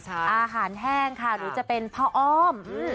อาหารแห้งค่ะหรือจะเป็นพ่ออ้อม